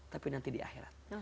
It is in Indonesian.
tapi nanti di akhirat